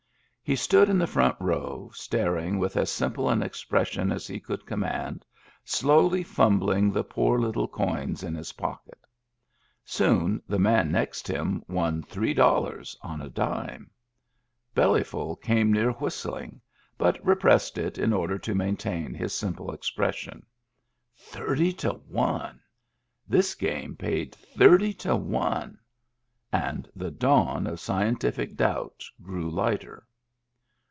He stood in the front row, staring with as simple an expression as he could command, slowly fumbling the poor little coins in his pocket Soon the man next him won three dollars on a dime. Bell)rful came near whistling, but repressed it in order to maintain his simple expression. Thirty to one! This game paid thirty to one ! And the dawn of scientific doubt grew lighter.